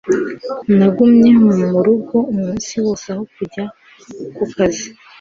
Nagumye murugo umunsi wose aho kujya ku kazi.